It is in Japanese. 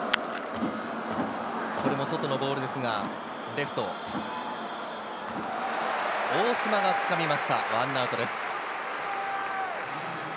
これも外のボールですが、レフト、大島がつかみました、１アウトです。